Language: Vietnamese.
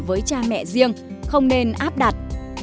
với cha mẹ riêng không nên áp đặt